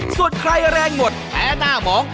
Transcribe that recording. ส่วนใครแรงหมดแพ้หน้ามอง